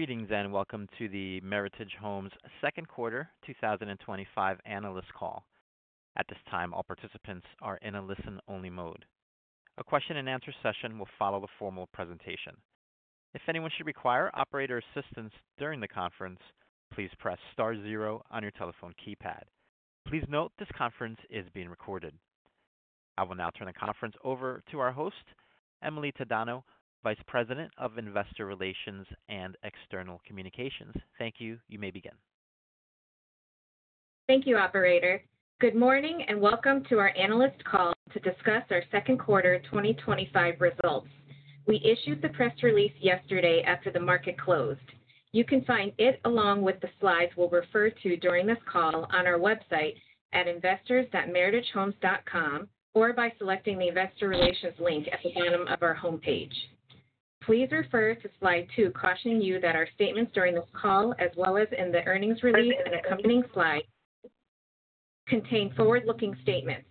Greetings and welcome to the Meritage Homes second quarter 2025 analyst call. At this time, all participants are in a listen-only mode. A question and answer session will follow the formal presentation. If anyone should require operator assistance during the conference, please press star zero on your telephone keypad. Please note this conference is being recorded. I will now turn the conference over to our host, Emily Tadano, Vice President of Investor Relations and External Communications. Thank you. You may begin. Thank you, operator. Good morning and welcome to our analyst call to discuss our second quarter 2025 results. We issued the press release yesterday after the market closed. You can find it along with the slides we'll refer to during this call on our website at investors.meritagehomes.com or by selecting the Investor Relations link at the bottom of our homepage. Please refer to slide two, cautioning you that our statements during this call, as well as in the earnings release and accompanying slides, contain forward-looking statements.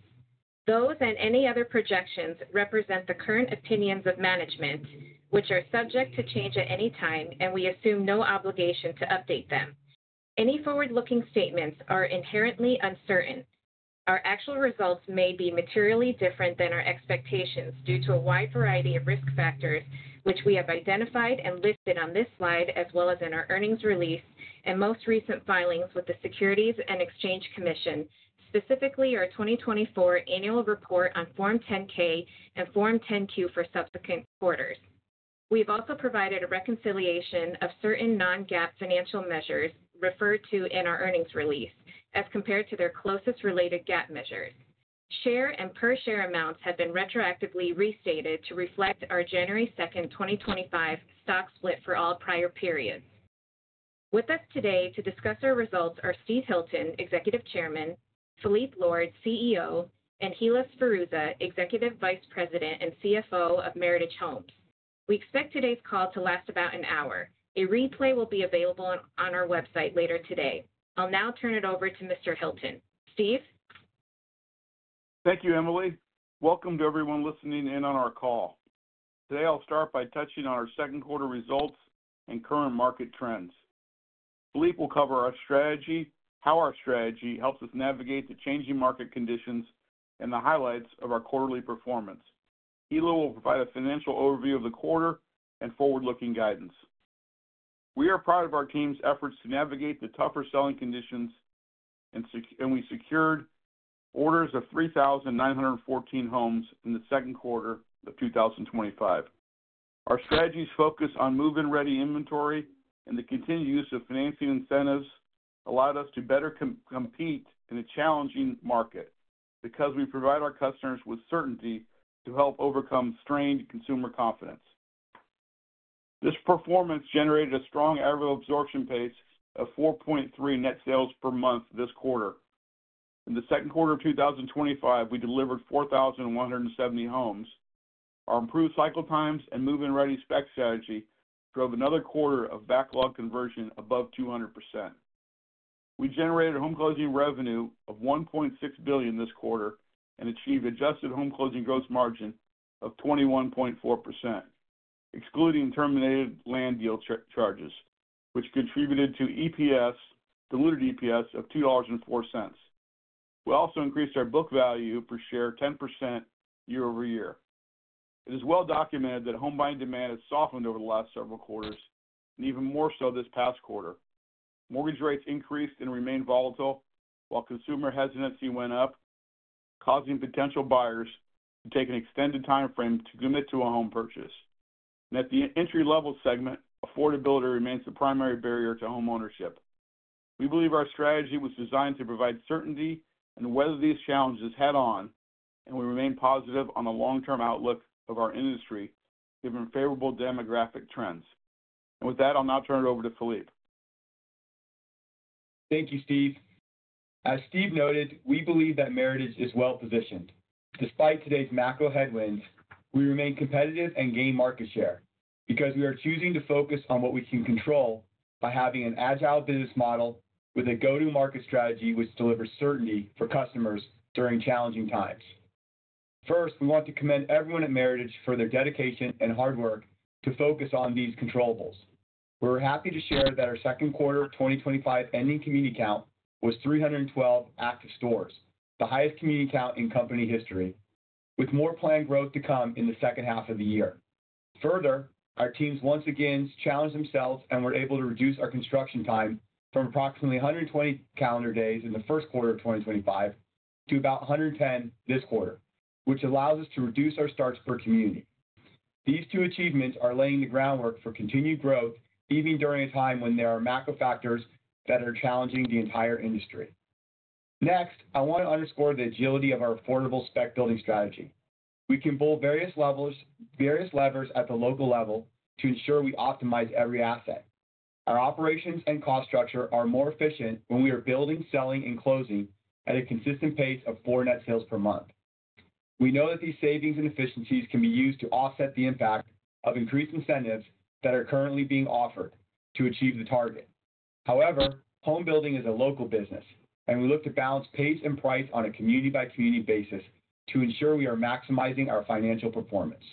Those and any other projections represent the current opinions of management, which are subject to change at any time, and we assume no obligation to update them. Any forward-looking statements are inherently uncertain, and our actual results may be materially different than our expectations due to a wide variety of risk factors, which we have identified and listed on this slide, as well as in our earnings release and most recent filings with the Securities and Exchange Commission, specifically our 2024 Annual Report on Form 10-K and Form 10-Q for subsequent quarters. We've also provided a reconciliation of certain non-GAAP financial measures referred to in our earnings release as compared to their closest related GAAP measures. Share and per share amounts have been retroactively restated to reflect our January 2nd-2025 stock split for all prior periods. With us today to discuss our results are Steve Hilton, Executive Chairman; Phillippe Lord, CEO; and Hilla Sferruzza, Executive Vice President and CFO of Meritage Homes. We expect today's call to last about an hour. A replay will be available on our website later today. I'll now turn it over to Mr. Hilton. Steve, thank you, Emily. Welcome to everyone listening in on our call today. I'll start by touching on our second quarter results and current market trends. Phillippe will cover our strategy, how our strategy helps us navigate the changing market conditions, and the highlights of our quarterly performance. Hilla will provide a financial overview of the quarter and forward-looking guidance. We are proud of our team's efforts to navigate the tougher selling conditions, and we secured orders of 3,914 homes in the second quarter of 2025. Our strategies focus on move-in ready inventory and the continued use of financing incentives allowed us to better compete in a challenging market because we provide our customers with certainty to help overcome strained consumer confidence. This performance generated a strong average absorption pace of 4.3 net sales per month this quarter. In the second quarter of 2025, we delivered 4,170 homes. Our improved cycle times and move-in ready spec strategy drove another quarter of backlog conversion above 200%. We generated home closing revenue of $1.6 billion this quarter and achieved adjusted home closing gross margin of 21.4%, excluding terminated land deal charges, which contributed EPS to diluted EPS of $2.04. We also increased our book value per share 10% year-over-year. It is well documented that home buying demand has softened over the last several quarters, and even more so this past quarter. Mortgage rates increased and remained volatile, while consumer hesitancy went up, causing potential buyers to take an extended time frame to commit to a home purchase. At the entry level, segment affordability remains the primary barrier to homeownership. We believe our strategy was designed to provide certainty and weather these challenges head on, and we remain positive on the long-term outlook of our industry given favorable demographic trends. With that, I'll now turn it over to Phillippe. Thank you, Steve. As Steve noted, we believe that Meritage is well positioned despite today's macro headwinds. We remain competitive and gain market share because we are choosing to focus on what we can control by having an agile business model with a go-to-market strategy which delivers certainty for customers during challenging times. First, we want to commend everyone at Meritage for their dedication and hard work to focus on these controllables. We're happy to share that our second quarter 2025 ending community count was 312 active stores, the highest community count in company history, with more planned growth to come in the second half of the year. Further, our teams once again challenged themselves and were able to reduce our construction time from approximately 120 calendar days in the first quarter of 2025 to about 110 this quarter, which allows us to reduce our starts per community. These two achievements are laying the groundwork for continued growth even during a time when there are macro factors that are challenging the entire industry. Next, I want to underscore the agility of our affordable spec building strategy. We can pull various levers at the local level to ensure we optimize every asset. Our operations and cost structure are more efficient when we are building, selling, and closing at a consistent pace of 4 net sales per month. We know that these savings and efficiencies can be used to offset the impact of increased incentives that are currently being offered to achieve the target. However, home building is a local business and we look to balance pace and price on a community-by-community basis to ensure we are maximizing our financial performance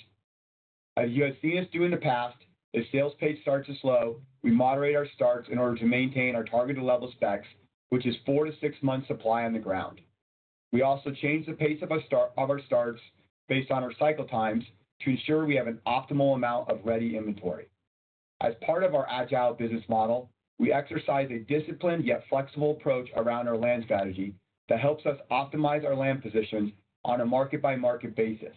as you have seen us do in the past. If the sales pace starts to slow, we moderate our starts in order to maintain our targeted level specs, which is four months to six months supply on the ground. We also change the pace of our starts based on our cycle times to ensure we have an optimal amount of ready inventory. As part of our agile business model, we exercise a disciplined yet flexible approach around our land strategy that helps us optimize our land positions on a market-by-market basis.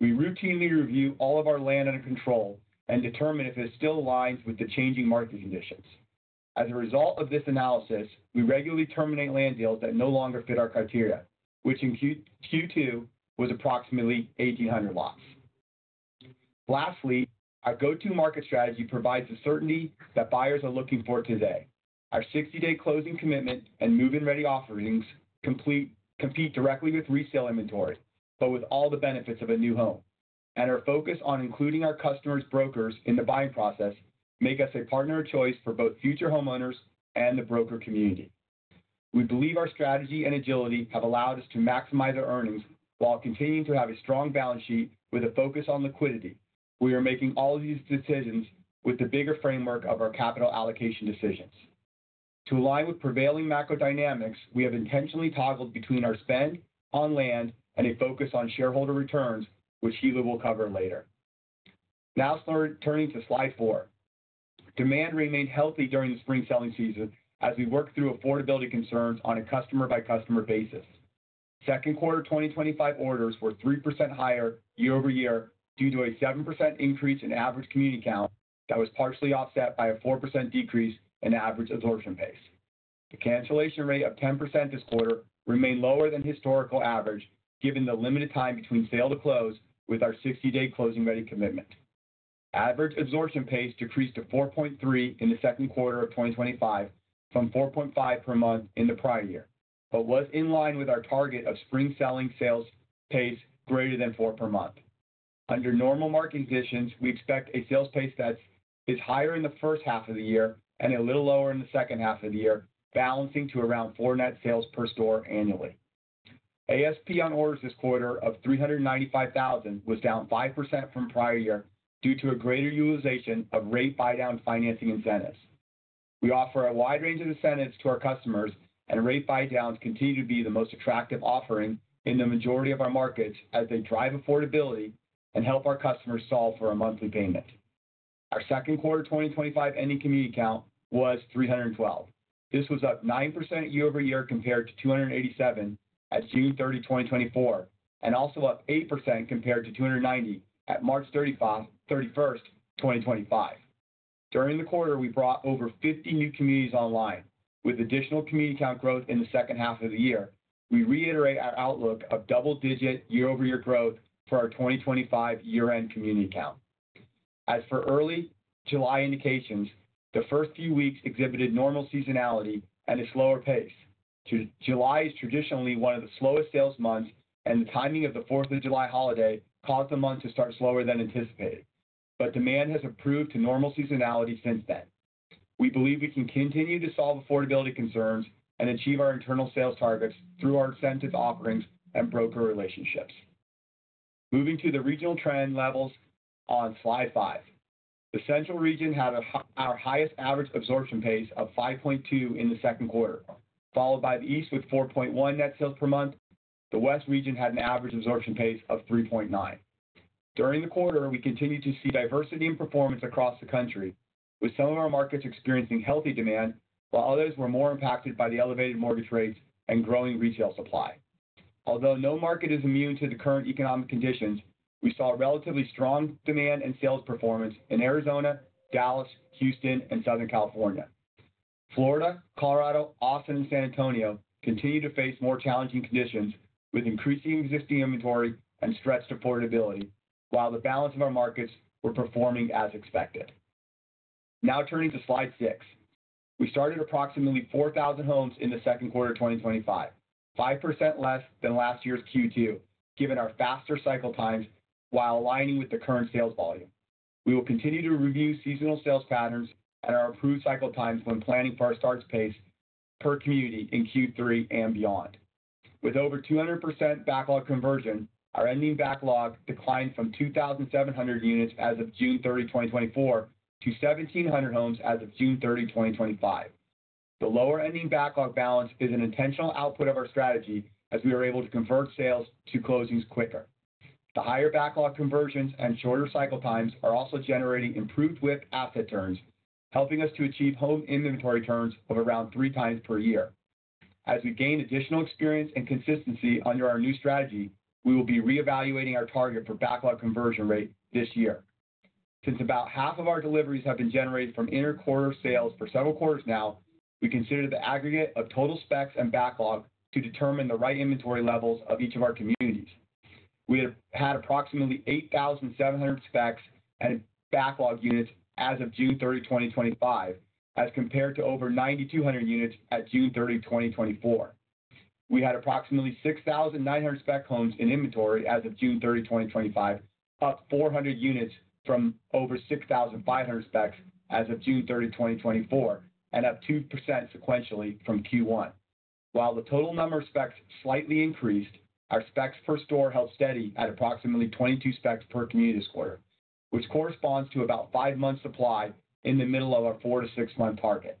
We routinely review all of our land under control and determine if it still aligns with the changing market conditions. As a result of this analysis, we regularly terminate land deals that no longer fit our criteria, which in Q2 was approximately 1,800 lots. Lastly, our go-to-market strategy provides the certainty that buyers are looking for today. Our 60-day closing commitment and move-in ready offerings compete directly with resale inventory, but with all the benefits of a new home, and our focus on including our customers' brokers in the buying process make us a partner of choice for both future homeowners and the broker community. We believe our strategy and agility have allowed us to maximize our earnings while continuing to have a strong balance sheet with a focus on liquidity. We are making all of these decisions with the bigger framework of our capital allocation decisions to align with prevailing macro dynamics. We have intentionally toggled between our spend on land and a focus on shareholder returns, which Hilla will cover later. Now turning to slide four, demand remained healthy during the spring selling season as we worked through affordability concerns on a customer-by-customer basis. Second quarter 2025 orders were 3% higher year-over-year due to a 7% increase in average community count that was partially offset by a 4% decrease in average absorption pace. The cancellation rate of 10% this quarter remained lower than historical average given the limited time between sale to close. With our 60-day closing ready commitment, average absorption pace decreased to 4.3 in the second quarter of 2025 from 4.5 per month in the prior year, but was in line with our target of spring selling sales pace greater than 4 per month. Under normal market conditions, we expect a sales pace that is higher in the first half of the year and a little lower in the second half of the year, balancing to around 4 net sales per store annually. ASP on orders this quarter of $395,000 was down 5% from prior year due to a greater utilization of rate buydown financing incentives. We offer a wide range of incentives to our customers, and rate buydowns continue to be the most attractive offering in the majority of our markets as they drive affordability and help our customers solve for a monthly payment. Our second quarter 2025 ending community count was 312. This was up 9% year-over-year compared to 287 at June 30, 2024, and also up 8% compared to 290 at March 31st, 2025. During the quarter, we brought over 50 new communities online with additional community count growth in the second half of the year. We reiterate our outlook of double-digit year-over-year growth for our 2025 year-end community count. As for early July indications, the first few weeks exhibited normal seasonality and a slower pace. July is traditionally one of the slowest sales months, and the timing of the Fourth of July holiday caused the month to start slower than anticipated, but demand has improved to normal seasonality since then. We believe we can continue to solve affordability concerns and achieve our internal sales targets through our incentive offerings and broker relationships. Moving to the regional trend levels on Slide five, the Central Region had our highest average absorption pace of 5.2 in the second quarter, followed by the East with 4.1 net sales per month. The West Region had an average absorption pace of 3.9 during the quarter. We continued to see diversity in performance across the country, with some of our markets experiencing healthy demand while others were more impacted by the elevated mortgage rates and growing resale inventory. Although no market is immune to the current economic conditions, we saw relatively strong demand and sales performance in Arizona, Dallas, Houston, and Southern California. Florida, Colorado, Austin, and San Antonio continue to face more challenging conditions with increasing existing inventory and stretched affordability, while the balance of our markets were performing as expected. Now turning to Slide six, we started approximately 4,000 homes in the second quarter 2025, 5% less than last year's Q2 given our faster cycle times while aligning with the current sales volume. We will continue to review seasonal sales patterns and our approved cycle times when planning for our starts pace per community in Q3 and beyond, with over 200% backlog conversion. Our ending backlog declined from 2,700 units as of June 30, 2024, to 1,700 homes as of June 30, 2025. The lower ending backlog balance is an intentional output of our strategy as we are able to convert sales to closings quicker. The higher backlog conversions and shorter cycle times are also generating improved WIP asset turns, helping us to achieve home inventory turns of around three times per year. As we gain additional experience and consistency under our new strategy, we will be reevaluating our target for backlog conversion rate this year. Since about half of our deliveries have been generated from inter-quarter sales for several quarters now, we considered the aggregate of total specs and backlog to determine the right inventory levels of each of our communities. We had approximately 8,700 specs and backlog units as of June 30, 2025, as compared to over 9,200 units at June 30, 2024. We had approximately 6,900 spec homes in inventory as of June 30, 2025, up 400 units from over 6,500 specs as of June 30, 2024, and up 2% sequentially from Q1. While the total number of specs slightly increased, our specs per store held steady at approximately 22 specs per community this quarter, which corresponds to about five months supply in the middle of our four month to six month target.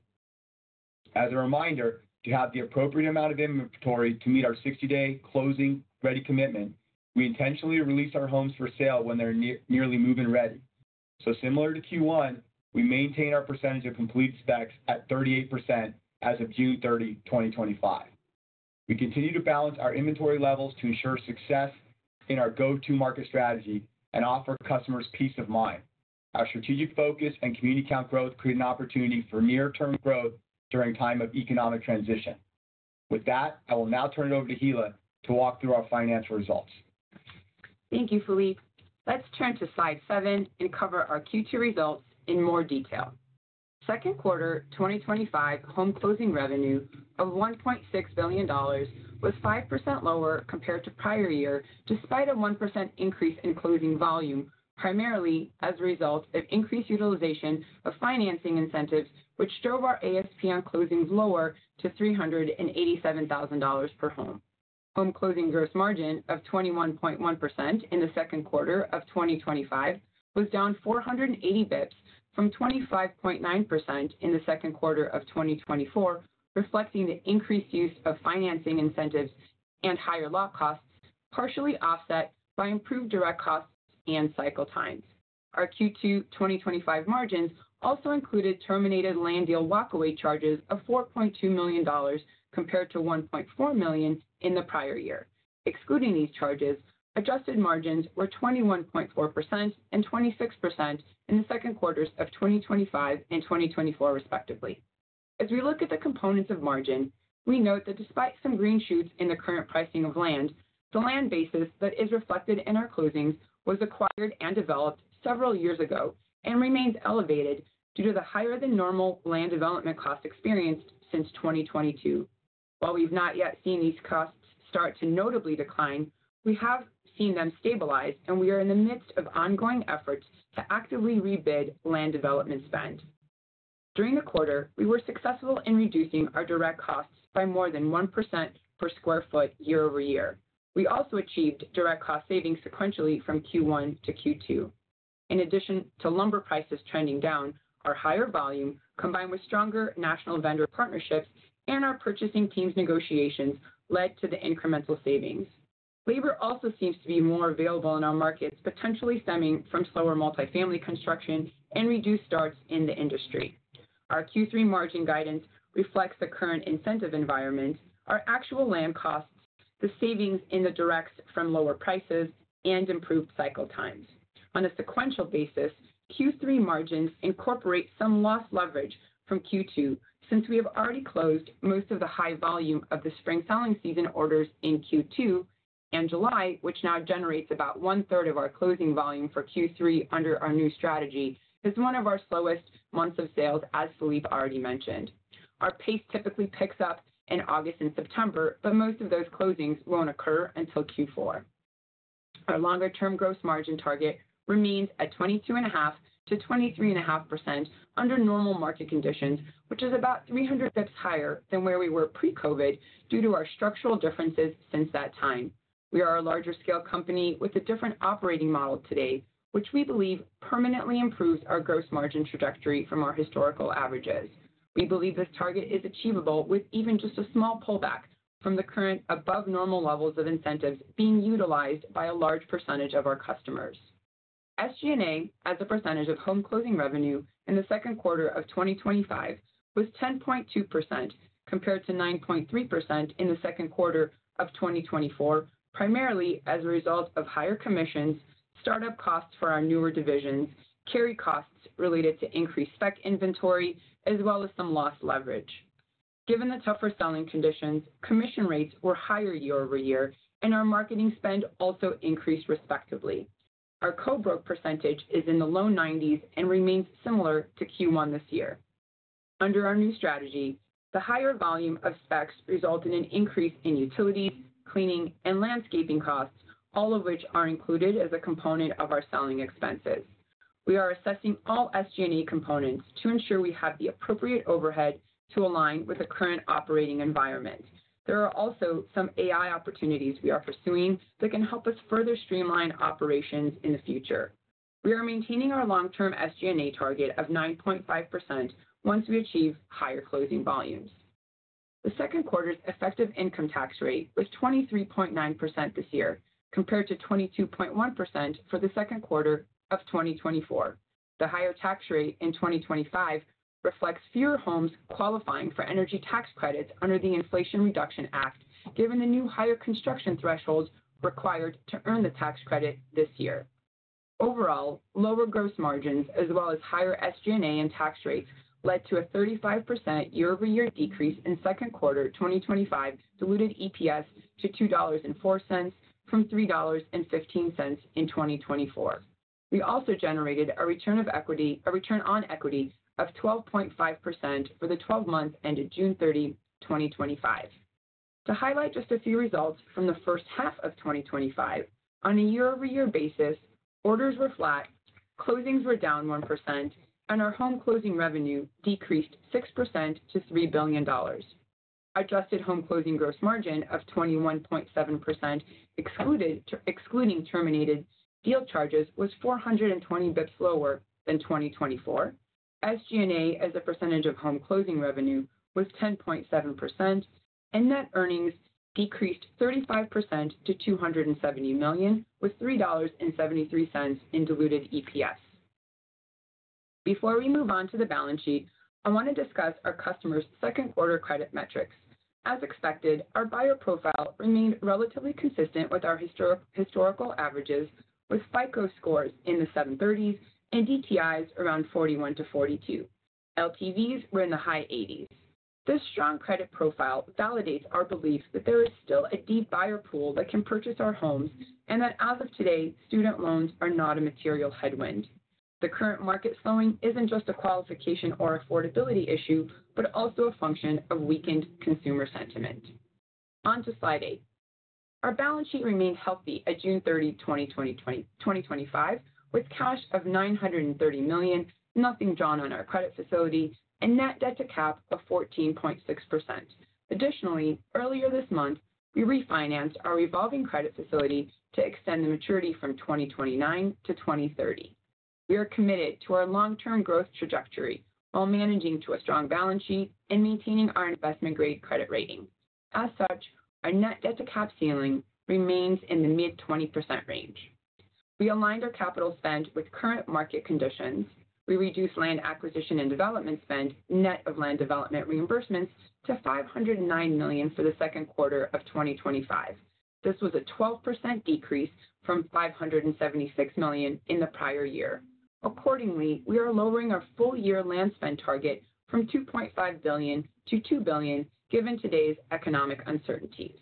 As a reminder, to have the appropriate amount of inventory to meet our 60 day closing ready commitment, we intentionally release our homes for sale when they're nearly move-in ready. Similar to Q1, we maintain our percentage of complete specs at 38% as of June 30, 2025. We continue to balance our inventory levels to ensure success in our go-to-market strategy and offer customers peace of mind. Our strategic focus and community count growth create an opportunity for near term growth during a time of economic transition. With that, I will now turn it over to Hilla to walk through our financial results. Thank you, Phillippe. Let's turn to slide seven and cover our Q2 results in more detail. Second quarter 2025 home closing revenue of $1.6 billion was 5% lower compared to prior year despite a 1% increase in closing volume, primarily as a result of increased utilization of financing incentives, which drove our ASP on closings lower to $387,000 per home. Home closing gross margin of 21.1% in the second quarter of 2025 was down 480 [bit] from 25.9% in the second quarter of 2024, reflecting the increased use of financing incentives and higher lot costs, partially offset by improved direct costs and cycle times. Our Q2 2025 margins also included terminated land deal walkaway charges of $4.2 million compared to $1.4 million in the prior year. Excluding these charges, adjusted margins were 21.4% and 26% in the second quarters of 2025 and 2024, respectively. As we look at the components of margin, we note that despite some green shoots in the current pricing of land, the land basis that is reflected in our closings was acquired and developed several years ago and remains elevated due to the higher than normal land development costs experienced since 2022. While we've not yet seen these costs start to notably decline, we have seen them stabilize, and we are in the midst of ongoing efforts to actively rebid land development spend. During the quarter, we were successful in reducing our direct costs by more than 1% per square foot year-over-year. We also achieved direct cost savings sequentially from Q1 to Q2. In addition to lumber prices trending down, our higher volume combined with stronger national vendor partnerships and our purchasing teams' negotiations led to the incremental savings. Labor also seems to be more available in our markets, potentially stemming from slower multifamily construction and reduced starts in the industry. Our Q3 margin guidance reflects the current incentive environment, our actual land costs, the savings in the directs from lower prices, and improved cycle times on a sequential basis. Q3 margins incorporate some lost leverage from Q2 since we have already closed most of the high volume of the spring selling season orders in Q2, and July, which now generates about one third of our closing volume for Q3 under our new strategy, is one of our slowest months of sales. As Phillippe already mentioned, our pace typically picks up in August and September, but most of those closings won't occur until Q4. Our longer term gross margin target remains at 22.5%-23.5% under normal market conditions, which is about 300 [bits] higher than where we were pre-Covid due to our structural differences since that time. We are a larger scale company with a different operating model today, which we believe permanently improves our gross margin trajectory. From our historical averages, we believe this target is achievable with even just a small pullback from the current above normal levels of incentives being utilized by a large percentage of our customers. SG&A as a percentage of home closing revenue in the second quarter of 2025 was 10.2% compared to 9.3% in the second quarter of 2024, primarily as a result of higher commissions. Startup costs for our newer divisions carry costs related to increased spec inventory as well as some lost leverage given the tougher selling conditions. Commission rates were higher year-over-year and our marketing spend also increased, respectively. Our Co-broke percentage is in the low 90s and remains similar to Q1 this year. Under our new strategy, the higher volume of specs results in an increase in utility, cleaning, and landscaping costs, all of which are included as a component of our selling expenses. We are assessing all SG&A components to ensure we have the appropriate overhead to align with the current operating environment. There are also some AI opportunities we are pursuing that can help us further streamline operations in the future. We are maintaining our long term SG&A target of 9.5% once we achieve higher closing volumes. The second quarter's effective income tax rate was 23.9% this year compared to 22.1% for the second quarter of 2024. The higher tax rate in 2025 reflects fewer homes qualifying for energy tax credits under the Inflation Reduction Act given the new higher construction thresholds required to earn the tax credit this year. Overall, lower gross margins as well as higher SG&A and tax rates led to a 35% year-over-year decrease in second quarter 2025 diluted EPS to $2.04 from $3.15 in 2024. We also generated a return on equity of 12.5% for the 12 months ended June 30, 2025. To highlight just a few results from the first half of 2025 on a year-over-year basis, orders were flat, closings were down 1%, and our home closing revenue decreased 6% to $3 billion. Adjusted home closing gross margin of 21.7%, excluding terminated deal charges, was 420 [bits] lower than 2024. SG&A as a percentage of home closing revenue was 10.7% and net earnings decreased 35% to $270 million with $3.73 in diluted EPS. Before we move on to the balance sheet, I want to discuss our customers' second quarter credit metrics. As expected, our buyer profile remained relatively consistent with our historical averages with FICO scores in the 730s and DTIs around 41%-42%. LTVs were in the high 80%. This strong credit profile validates our belief that there is still a deep buyer pool that can purchase our homes and that as of today, student loans are not a material headwind. The current market slowing isn't just a qualification or affordability issue, but also a function of weakened consumer sentiment. On to slide eight, our balance sheet remained healthy at June 30, 2025, with cash of $930 million, nothing drawn on our credit facility, and net debt-to-cap of 14.6%. Additionally, earlier this month we refinanced our revolving credit facility to extend the maturity from 2029 to 2030. We are committed to our long-term growth trajectory while managing to a strong balance sheet and maintaining our investment grade credit rating. As such, our net debt-to-cap ceiling remains in the mid-20% range. We aligned our capital spend with current market conditions. We reduced land acquisition and development spend, net of land development reimbursements, to $509 million for the second quarter of 2025. This was a 12% decrease from $576 million in the prior year. Accordingly, we are lowering our full year land spend target from $2.5 billion to $2 billion. Given today's economic uncertainties,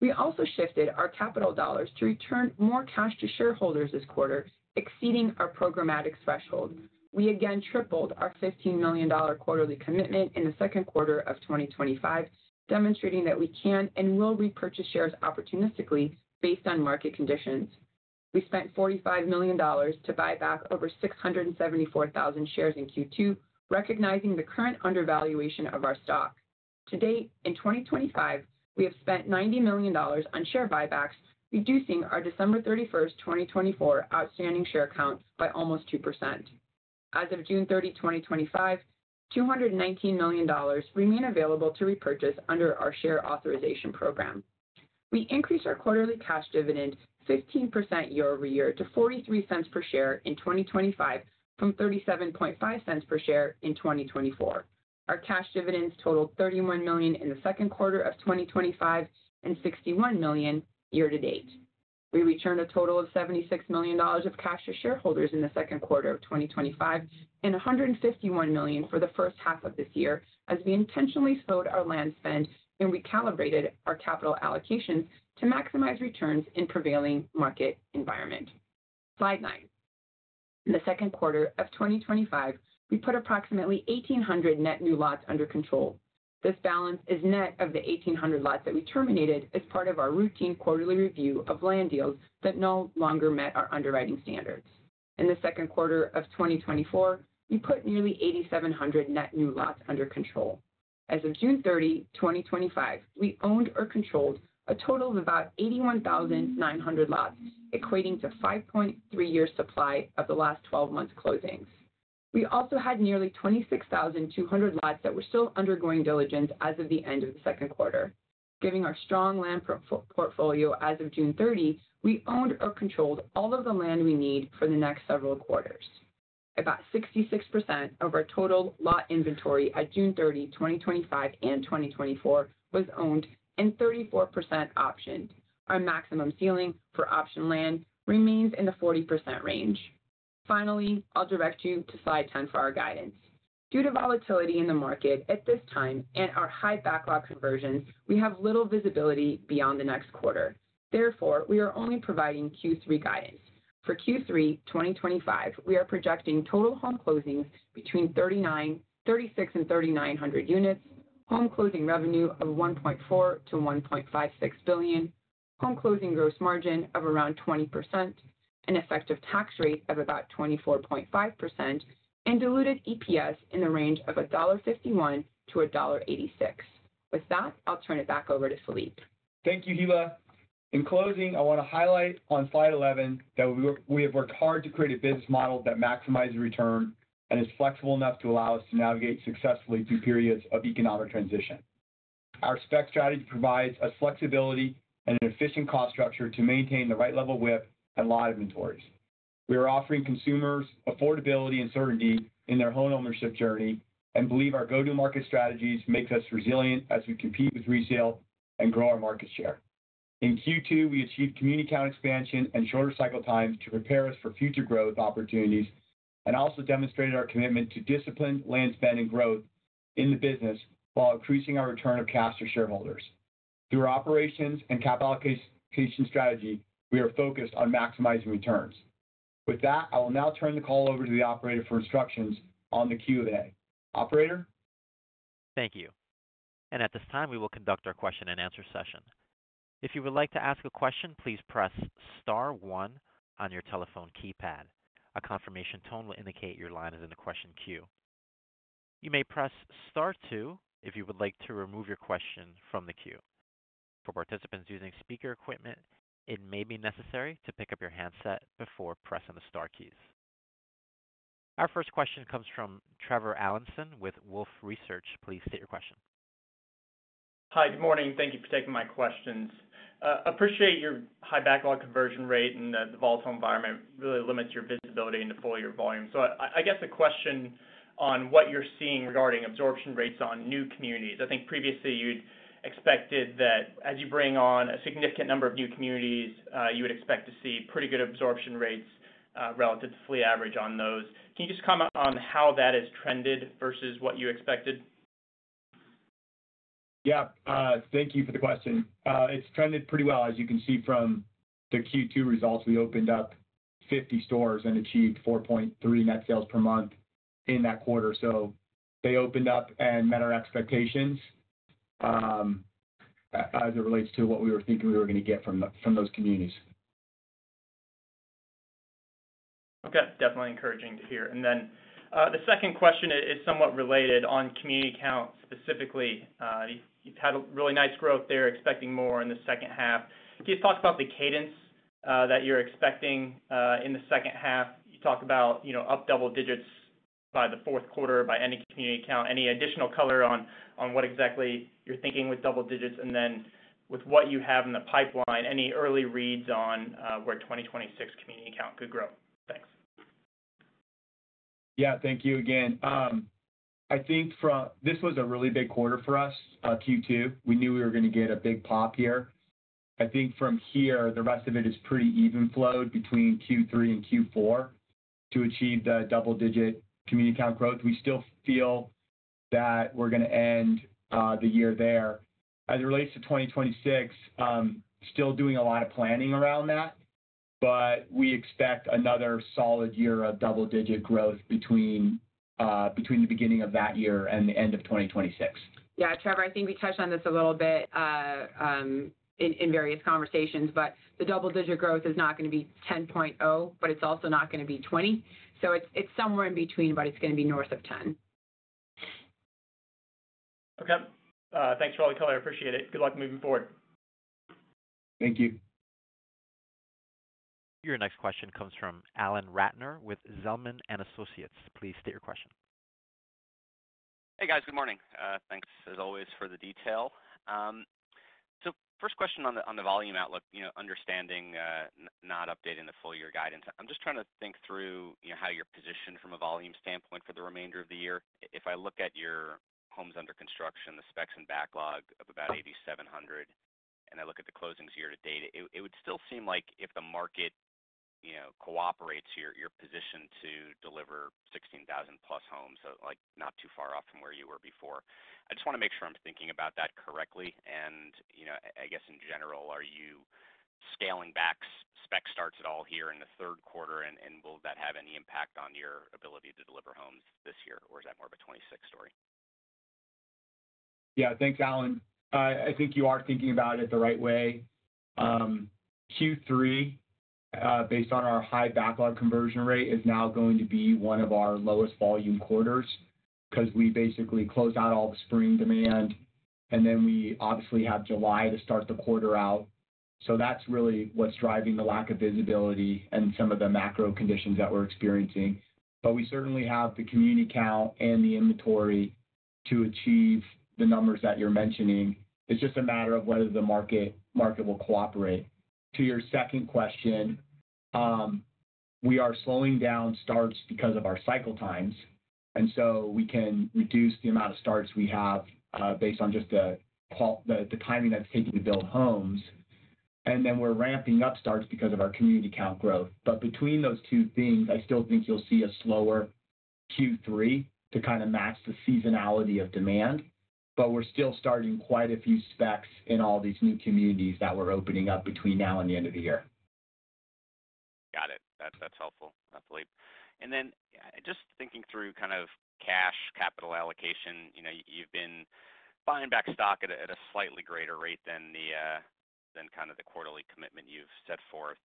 we also shifted our capital dollars to return more cash to shareholders this quarter, exceeding our programmatic threshold. We again tripled our $15 million quarterly commitment in the second quarter of 2025, demonstrating that we can and will repurchase shares opportunistically based on market conditions. We spent $45 million to buy back over 674,000 shares in Q2, recognizing the current undervaluation of our stock. To date in 2025, we have spent $90 million on share buybacks, reducing our December 31st, 2024, outstanding share count by almost 2% as of June 30, 2025. $219 million remain available to repurchase under our Share Authorization Program. We increased our quarterly cash dividend 15% year-over-year to $0.43 per share in 2025 from $0.375 per share in 2024. Our cash dividends totaled $31 million in the second quarter of 2025 and $61 million year to date. We returned a total of $76 million of cash to shareholders in the second quarter of 2025 and $151 million for the first half of this year as we intentionally slowed our land spend and recalibrated our capital allocations to maximize returns in the prevailing market environment. Slide nine. In the second quarter of 2025, we put approximately 1,800 net new lots under control. This balance is net of the 1,800 lots that we terminated as part of our routine quarterly review of land deals that no longer met our underwriting standards. In the second quarter of 2024, we put nearly 8,700 net new lots under control. As of June 30, 2025, we owned or controlled a total of about 81,900 lots, equating to 5.3 years supply of the last 12 months closings. We also had nearly 26,200 lots that were still undergoing diligence as of the end of the second quarter, giving our strong land portfolio. As of June 30, we owned or controlled all of the land we need for the next several quarters. About 66% of our total lot inventory at June 30, 2025 and 2024 was owned and 34% optioned. Our maximum ceiling for option land remains in the 40% range. Finally, I'll direct you to Slide 10 for our guidance. Due to volatility in the market at this time and our high backlog conversions, we have little visibility beyond the next quarter. Therefore, we are only providing Q3 guidance. For Q3 2025, we are projecting total home closings between 3,9 36 and 3,900 units, home closing revenue of $1.4-$1.56 billion, home closing gross margin of around 20%, an effective tax rate of about 24.5%, and diluted EPS in the range of $1.51-$1.86. With that, I'll turn it back over to Phillippe. Thank you, Hilla. In closing, I want to highlight on slide 11 that we have worked hard to create a business model that maximizes return and is flexible enough to allow us to navigate successfully through periods of economic transition. Our SPEC strategy provides us flexibility and an efficient cost structure to maintain the right level WIP and lot inventories. We are offering consumers affordability and certainty in their home ownership journey and believe our go to market strategies make us resilient as we compete with resale and grow our market share. In Q2, we achieved community count expansion and shorter cycle times to prepare us for future growth opportunities and also demonstrated our commitment to disciplined land spend and growth in the business while increasing our return of cash to shareholders. Through our operations and capital allocation strategy, we are focused on maximizing returns. With that, I will now turn the call over to the operator for instructions on the Q&A. Operator: Thank you, and at this time we will conduct our question and answer session. If you would like to ask a question, please press star one on your telephone keypad. A confirmation tone will indicate your line is in the question queue. You may press star two if you would like to remove your question from the queue. For participants using speaker equipment, it may be necessary to pick up your handset before pressing the star keys. Our first question comes from Trevor Allinson with Wolfe Research. Please state your question. Hi, good morning. Thank you for taking my questions. Appreciate your high backlog conversion rate and the volatile environment really limits your visibility into full year volume. I guess the question on what you're seeing regarding absorption rates on new communities, I think previously you'd expected that as you bring on a significant number of new communities, you would expect to see pretty good absorption rates relative to fleet average on those. Can you just comment on how that has trended versus what you expected? Yeah. Thank you for the question. It's trended pretty well as you can see from the Q2 results. We opened up 50 stores and achieved 4.3 net sales per month in that quarter. They opened up and met our expectations as it relates to what we were thinking we were going to get from those communities. Okay, definitely encouraging to hear. The second question is somewhat related. On community count specifically, you've had a really nice growth there. Expecting more in the second half. Can you talk about the cadence that you're expecting in the second half? You talk about up double digits by the fourth quarter by any community count. Any additional color on what exactly you're thinking with double digits, and then with what you have in the pipeline, any early reads on where 2026 community count could grow? Thanks. Yeah, thank you again. I think this was a really big quarter for us, Q2. We knew we were going to get a big pop here. I think from here the rest of it is pretty even, flowed between Q3 and Q4 to achieve the double digit community count growth. We still feel that we're going to end the year there. As it relates to 2026, still doing a lot of planning around that, but we expect another solid year of double digit growth between the beginning of that year and the end of 2026. Yeah. Trevor, I think we touched on this a little bit in various conversations, but the double digit growth is not going to be 10.0, but it's also not going to be 20, so it's somewhere in between, but it's going to be north of 10. Okay, thanks for all the color. I appreciate it. Good luck moving forward. Thank you. Your next question comes from Alan Ratner with Zelman & Associates. Please state your question. Hey guys, good morning. Thanks as always for the detail. First question on the volume outlook, understanding not updating the full year guidance. I'm just trying to think through how you're positioned from a volume standpoint for the remainder of the year. If I look at your homes under construction, the specs and backlog of about 8,700, and I look at the closings year to date, it would still seem like if the market, you know, cooperates, you're positioned to deliver 16,000+ homes, like not too far off from where you were before. I just want to make sure I'm thinking about that correctly. I guess in general, are you scaling back spec starts at all here in the third quarter and will that have any impact on your ability to deliver homes this year? Is that more of a 2026 story? Yeah, thanks, Alan. I think you are thinking about it the right way. Q3, based on our high backlog conversion rate, is now going to be one of our lowest volume quarters because we basically close out all the spring demand and then we obviously have July to start the quarter out. That's really what's driving the lack of visibility and some of the macro conditions that we're experiencing. We certainly have the community count and the inventory to achieve the numbers that you're mentioning. It's just a matter of whether the market will cooperate. To your second question, we are slowing down starts because of our cycle times. We can reduce the amount of starts we have based on just the timing that's taken to build homes. We're ramping up starts because of our community count growth. Between those two things, I still think you'll see a slower Q3 to kind of match the seasonality of demand. We're still starting quite a few specs in all these new communities that we're opening up between now and the end of the year. Got it. That's helpful, [Phillippe]. Just thinking through kind of cash capital allocation, you've been buying back stock at a slightly greater rate than kind of the quarterly commitment you've set forth.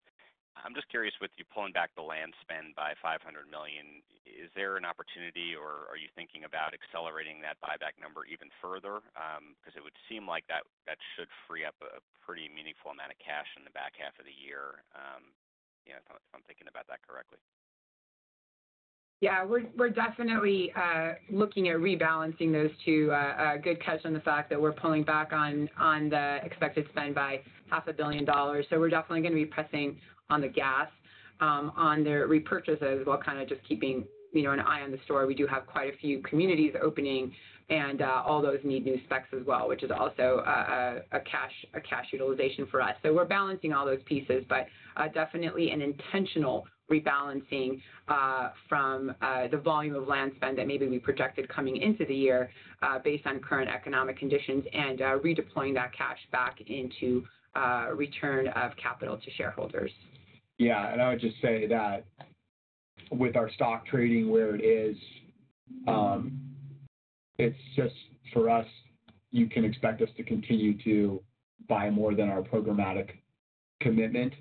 I'm just curious, with you pulling back the land spend by $500 million, is there an opportunity or are you thinking about accelerating that buyback number even further? It would seem like that should free up a pretty meaningful amount of cash in the back half of the year, if I'm thinking about that correctly. Yeah, we're definitely looking at rebalancing those two. Good catch on the fact that we're pulling back on the expected spend by $500 million. We're definitely going to be pressing on the gas on the repurchases while kind of just keeping an eye on the store. We do have quite a few communities opening and all those need new specs as well, which is also a cash utilization for us. We're balancing all those pieces, but definitely an intentional rebalancing from the volume of land spend that maybe we projected coming into the year based on current economic conditions and redeployment of that cash back into return of capital to shareholders. I would just say that with our stock trading where it is, it's just for us, you can expect us to continue to buy more than our programmatic commitment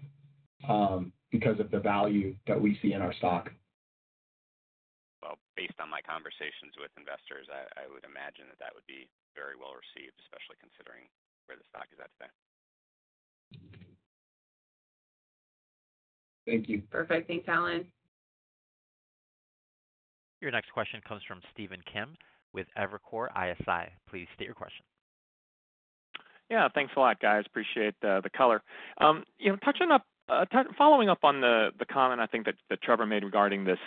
because of the value that we see in our stock. Based on my conversations with investors, I would imagine that that would be very well received, especially considering where the stock is at today. Thank you. Perfect. Thanks, Alan. Your next question comes from Stephen Kim with Evercore ISI. Please state your question. Yeah, thanks a lot, guys. Appreciate the color. Following up on the comment I think that Trevor made regarding this,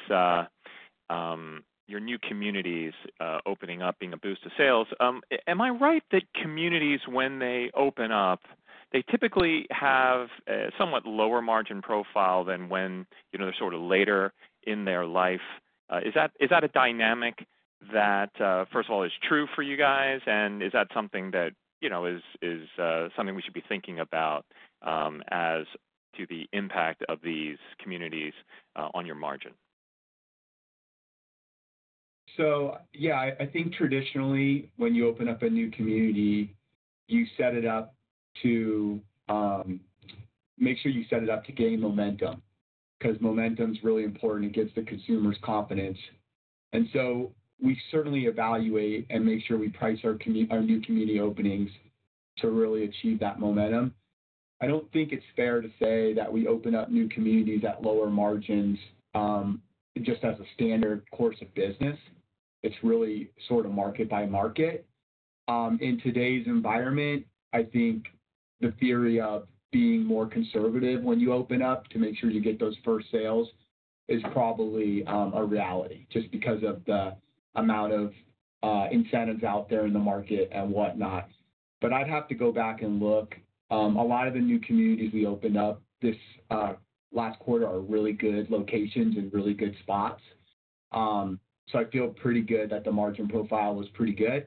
your new communities opening up being a boost to sales. Am I right that communities, when they open up, they typically have somewhat lower margin profile than when they're sort of later in their life? Is that a dynamic that first of all is true for you guys? Is that something that is something we should be thinking about as to the impact of these communities on your margin? Yeah, I think traditionally when you open up a new community, you set it up to make sure you set it up to gain momentum because momentum is really important. It gives the consumers confidence. We certainly evaluate and make sure we price our community, our new community openings to really achieve that momentum. I don't think it's fair to say that we open up new communities at lower margins just as a standard course of business. It's really sort of market by market in today's environment. I think the theory of being more conservative when you open up to make sure you get those first sales is probably a reality just because of the amount of incentives out there in the market and whatnot. I'd have to go back and look. A lot of the new communities we opened up this last quarter are really good locations and really good spots. I feel pretty good that the margin profile was pretty good.